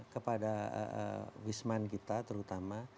kepada wisman kita terutama